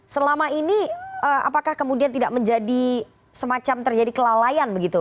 selama ini apakah kemudian tidak menjadi semacam terjadi kelalaian begitu